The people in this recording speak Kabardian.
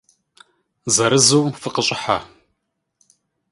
Зырызу фыкъыщӏыхьэ.